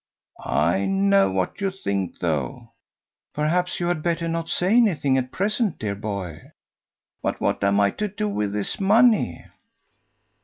"I know what you think, though." "Perhaps you had better not say anything at present, dear boy." "But what am I to do with this money?"